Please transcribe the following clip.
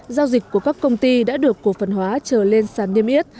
giao dịch của các công ty đã được cổ phân hóa trở lên sàn niêm yết